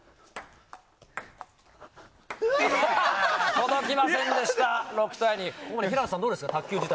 届きませんでした、６対２。